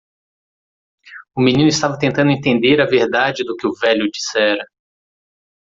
O menino estava tentando entender a verdade do que o velho dissera.